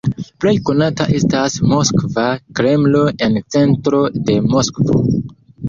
Plej konata estas Moskva Kremlo en centro de Moskvo.